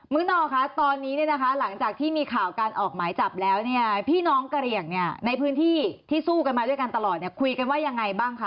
ื้อนอคะตอนนี้เนี่ยนะคะหลังจากที่มีข่าวการออกหมายจับแล้วเนี่ยพี่น้องกระเหลี่ยงเนี่ยในพื้นที่ที่สู้กันมาด้วยกันตลอดเนี่ยคุยกันว่ายังไงบ้างคะ